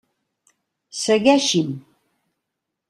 Segueixi'm.